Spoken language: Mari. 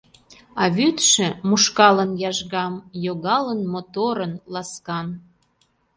А вӱдшӧ, мушкалын яжгам, йогалын моторын, ласкан.